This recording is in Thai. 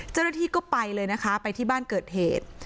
เจ้าหน้าที่ก็ไปเลยนะคะไปที่บ้านเกิดเหตุ